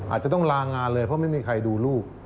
อาจจะต้องลางานเลยเพราะไม่มีใครดูลูก